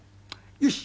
よし。